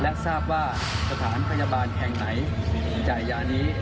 และทราบว่าสถานพยาบาลแห่งไหนจ่ายยานี้